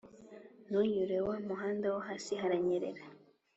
Ntunyure wamuhanda wohasi haranyerera